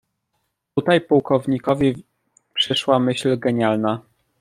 "Tutaj pułkownikowi przyszła myśl genialna."